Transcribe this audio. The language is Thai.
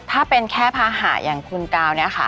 ถ้าเป็นแค่ภาหะอย่างคุณกาวเนี่ยค่ะ